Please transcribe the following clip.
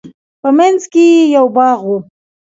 په منځ کښې يې يو باغ و.